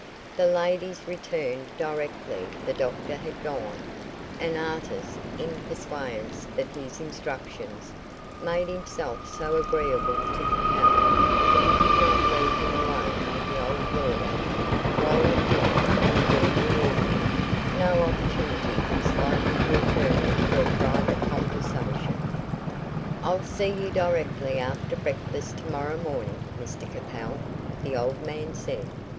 The ladies returned directly the doctor had gone, and Artis, in pursuance of his instructions, made himself so agreeable to Capel that he did not leave him alone with the old lawyer, while at dinner and during the evening no opportunity was likely to occur for a private conversation. "I'll see you directly after breakfast to morrow morning, Mr Capel," the old man said.